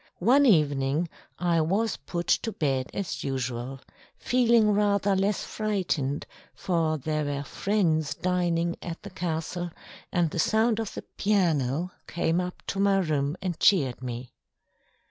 One evening I was put to bed as usual, feeling rather less frightened, for there were friends dining at the castle, and the sound of the piano came up to my room and cheered me.